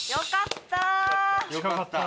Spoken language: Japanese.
近かった。